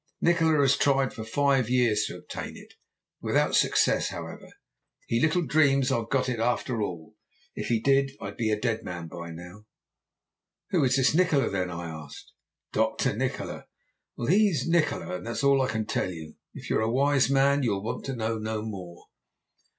Nikola has tried for five years to obtain it, without success however. He little dreams I've got it after all. If he did I'd be a dead man by now.' "'Who is this Nikola then?' I asked. "'Dr. Nikola? Well, he's Nikola, and that's all I can tell you. If you're a wise man you'll want to know no more.